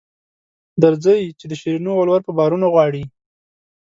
درځئ چې د شیرینو ولور په بارونو غواړي.